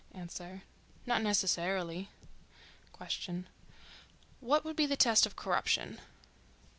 —Not necessarily. Q.—What would be the test of corruption?